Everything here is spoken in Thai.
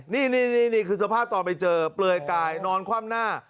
นี่คือสภาพตอนไปเจอเปลือยกายนอนคว่ำหน้า